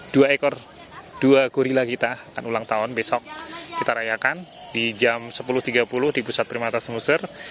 dua ekor dua gurila kita akan ulang tahun besok kita rayakan di jam sepuluh tiga puluh di pusat primata semester